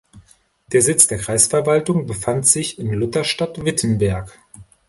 Der Sitz der Kreisverwaltung befand sich in Lutherstadt Wittenberg.